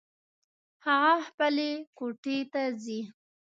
هغه خپلې کوټې ته ځي